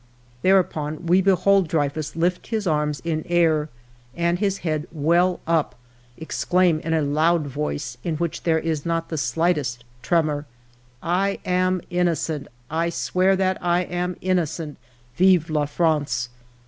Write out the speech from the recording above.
"Thereupon we behold Dreyfus lift his arms in air, and, his head well up, exclaim in a loud voice, in which there is not the slio; htest tremor: —"' I am innocent. I swear that I am innocent. Vive la France